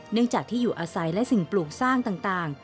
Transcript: เนื่องจากที่อยู่อาศัยและสิ่งปลูกสร้างต่าง